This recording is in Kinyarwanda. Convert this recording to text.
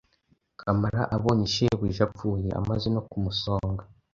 Kamara abonye shebuja apfuye amaze no kumusonga,